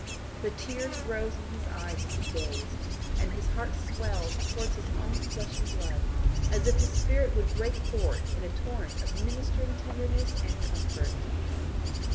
The tears rose in his eyes as he gazed, and his heart swelled towards his own flesh and blood, as if his spirit would break forth in a torrent of ministering tenderness and comfort.